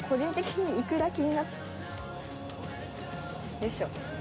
よいしょ。